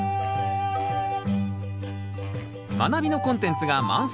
「まなび」のコンテンツが満載。